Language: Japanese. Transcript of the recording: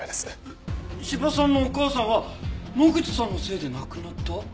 えっ斯波さんのお母さんは野口さんのせいで亡くなった？